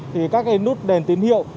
thì các cái nút đèn tín hiệu